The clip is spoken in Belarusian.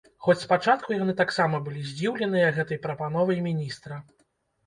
Хоць спачатку яны таксама былі здзіўленыя гэтай прапановай міністра.